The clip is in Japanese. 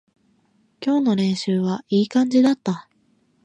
今日の練習はいい感じだった